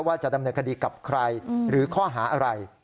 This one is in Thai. ว่าจะดำเนินคดีกับใครหรือข้อหาอะไร